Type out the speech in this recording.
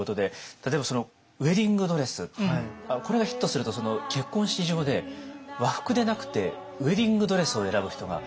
例えば「ウェディング・ドレス」これがヒットすると結婚式場で和服でなくてウエディングドレスを選ぶ人が増えたっていうことで。